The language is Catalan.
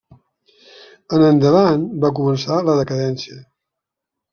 En endavant va començar la decadència.